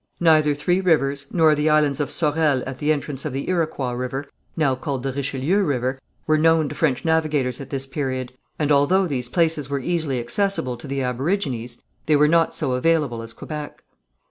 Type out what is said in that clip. Neither Three Rivers, nor the islands of Sorel at the entrance of the Iroquois River, now called the Richelieu River, were known to French navigators at this period, and although these places were easily accessible to the aborigines, they were not so available as Quebec.